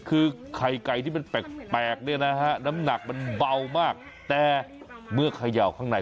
คือไข่ไก่ที่มันแปลกเนี่ยนะฮะน้ำหนักมันเบามากแต่เมื่อเขย่าข้างใน